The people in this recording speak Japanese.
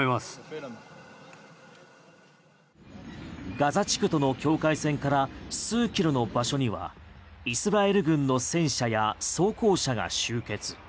ガザ地区との境界線から数キロの場所にはイスラエル軍の戦車や装甲車が集結。